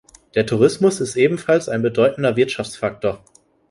Der Tourismus ist ebenfalls ein bedeutender Wirtschaftsfaktor.